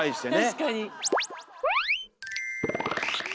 確かに。